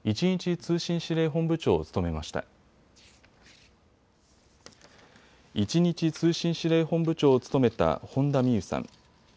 １日通信指令本部長を務めた本田望結さん。